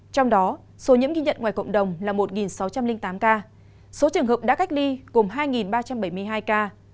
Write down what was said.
trong đó số nhiễm ghi nhận ngoài cộng đồng là một sáu trăm linh tám ca số trường hợp đã cách ly gồm hai ba trăm bảy mươi hai ca